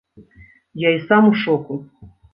Я і сам у шоку.